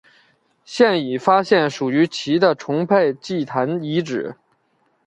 现已发现属于其的崇拜祭坛遗址。